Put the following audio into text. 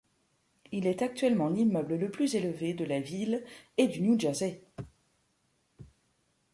Il est actuellement l'immeuble le plus élevé de la ville et du New Jersey.